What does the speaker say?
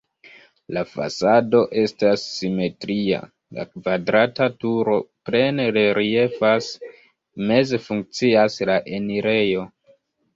La fasado estas simetria, la kvadrata turo plene reliefas, meze funkcias la enirejo.